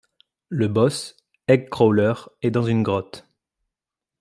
Le boss, Egg Crawler est dans une grotte.